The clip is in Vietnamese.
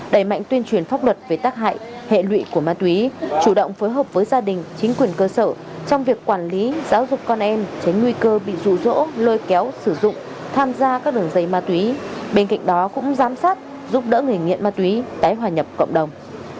đẩy mạnh tuyên truyền pháp luật về tác hại hệ lụy của ma túy chủ động phối hợp với gia đình chính quyền cơ sở trong việc quản lý giáo dục con em tránh nguy cơ bị rụ rỗ lôi kéo sử dụng tham gia các đường dây ma túy bên cạnh đó cũng giám sát giúp đỡ người nghiện ma túy tái hòa nhập cộng đồng